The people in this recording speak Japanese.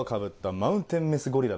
マウンテンメスゴリラ。